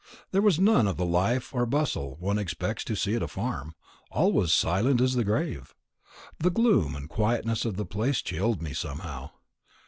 There was none of the life or bustle one expects to see at a farm; all was silent as the grave. The gloom and quietness of the place chilled me somehow.